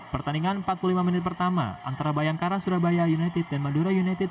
pertandingan empat puluh lima menit pertama antara bayangkara surabaya united dan madura united